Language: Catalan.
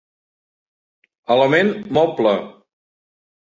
Element moble.